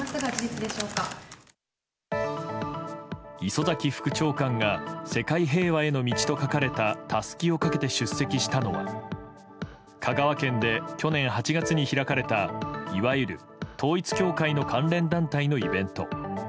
磯崎副長官が「世界平和への道」と書かれたたすきをかけて出席したのは香川県で去年８月に開かれたいわゆる統一教会の関連団体のイベント。